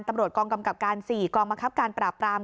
ตำรวจกรรมกรรมกรรมการ๔กรองบังคับการปราบกราม